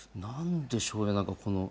何でしょうね？